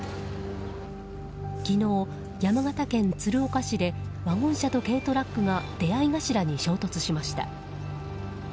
昨日、山形県鶴岡市でワゴン車と軽トラックが出合い頭に衝突しました。